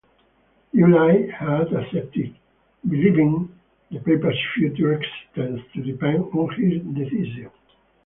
July had accepted, believing the paper's future existence to depend on his decision.